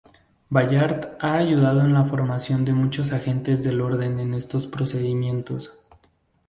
Ballard ha ayudado en la formación de muchos agentes del orden en estos procedimientos.